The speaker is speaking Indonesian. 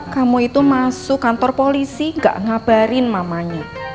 kamu itu masuk kantor polisi gak ngabarin mamanya